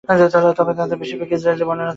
তবে তার বেশির ভাগই ইসরাঈলী বর্ণনা থেকে গৃহীত।